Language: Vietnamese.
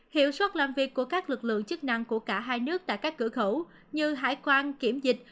hiệu suất làm việc của các lực lượng chức năng của cả hai nước tại các cửa khẩu như hải quan kiểm dịch